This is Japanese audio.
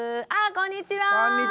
こんにちは。